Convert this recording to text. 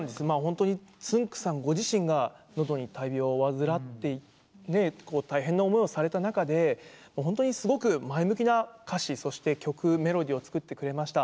つんく♂さんご自身がのどに大病を患って大変な思いをされた中で、本当にすごく前向きな歌詞、そして曲メロディーを作ってくれました。